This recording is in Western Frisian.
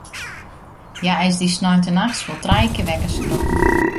Hja is dy sneintenachts wol trije kear wekker skrokken.